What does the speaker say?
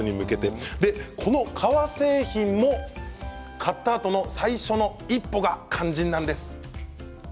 この革製品も買ったあとの最初の一歩が肝心なんです。